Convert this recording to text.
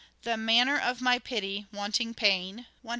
"The manner of my pity — wanting pain " (140).